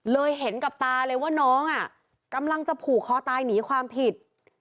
เห็นกับตาเลยว่าน้องอ่ะกำลังจะผูกคอตายหนีความผิด